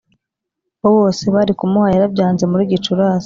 wo wose bari kumuha Yarabyanze Muri Gicurasi